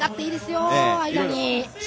間に。